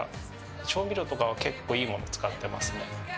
調味料とかは結構いいもの使ってます。